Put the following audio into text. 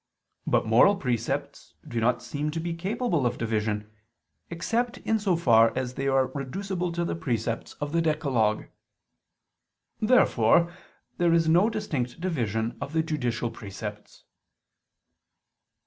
But moral precepts do not seem to be capable of division, except in so far as they are reducible to the precepts of the decalogue. Therefore there is no distinct division of the judicial precepts.